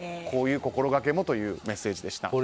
こういう心がけもというメッセージでした。